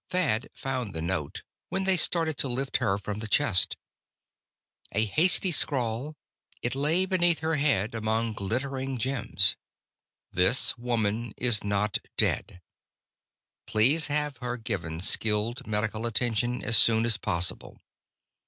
Thad found the note when they started to lift her from the chest. A hasty scrawl, it lay beneath her head, among glittering gems. "This woman is not dead. Please have her given skilled medical attention as soon as possible.